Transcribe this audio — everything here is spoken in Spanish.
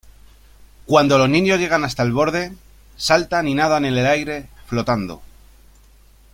Cuando los niños llegan hasta el borde, saltan y nadan en el aire flotando.